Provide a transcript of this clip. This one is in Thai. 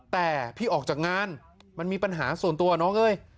แต่พี่ออกจากงานมันมีปัญหาส่วนตัวน้องเอ้ย